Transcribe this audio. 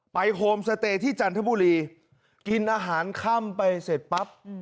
โฮมสเตย์ที่จันทบุรีกินอาหารค่ำไปเสร็จปั๊บ